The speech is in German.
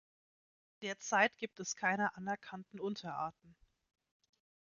Derzeit gibt es keine anerkannten Unterarten.